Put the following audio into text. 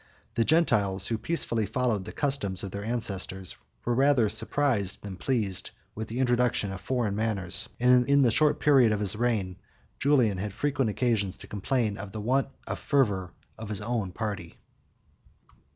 40 The Gentiles, who peaceably followed the customs of their ancestors, were rather surprised than pleased with the introduction of foreign manners; and in the short period of his reign, Julian had frequent occasions to complain of the want of fervor of his own party.